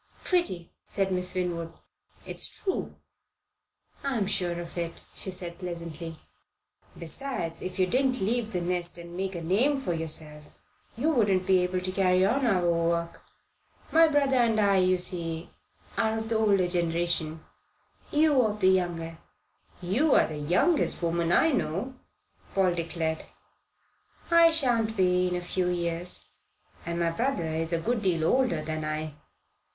"Pretty,"' said Miss Winwood. "It's true." "I'm sure of it," she said pleasantly. "Besides, if you didn't leave the nest and make a name for yourself, you wouldn't be able to carry on our work. My brother and I, you see, are of the older generation you of the younger." "You're the youngest woman I know," Paul declared. "I shan't be in a few years, and my brother is a good deal older than I."